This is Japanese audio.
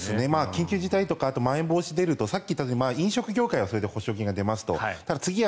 緊急事態とかまん延防止が出るとさっき言ったように飲食業界はそれで保証金が出ますと。